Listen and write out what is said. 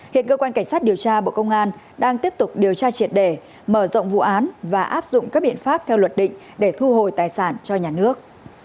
hiện cơ quan cảnh sát điều tra bộ công an đang tiếp tục điều tra triệt đề mở rộng vụ án và áp dụng các biện pháp theo luật định để thu hồi tài sản cho nhà nước